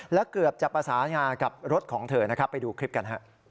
และเกือบจะประสาทางากับรถของเธอไปดูคลิปกัน